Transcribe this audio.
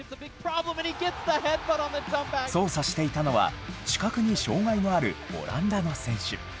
操作していたのは、視覚に障害のあるオランダの選手。